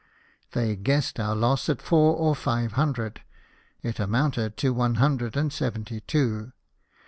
They guessed our loss at four or live hundred ; it amounted to one hundred and seventy two.